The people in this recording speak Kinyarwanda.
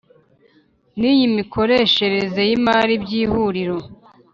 N iy imikoreshereze y imari by ihuriro